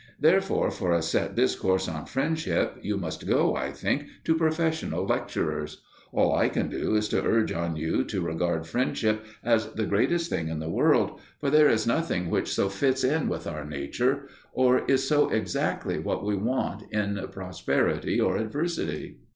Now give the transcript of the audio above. Therefore for a set discourse on friendship you must go, I think, to professional lecturers. All I can do is to urge on you to regard friendship as the greatest thing in the world; for there is nothing which so fits in with our nature, or is so exactly what we want in prosperity or adversity.